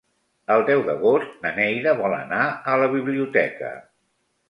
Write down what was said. El deu d'agost na Neida vol anar a la biblioteca.